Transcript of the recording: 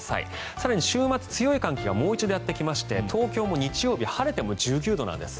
更に、週末、強い寒気がもう一度やってきまして東京も日曜日晴れても１９度なんです。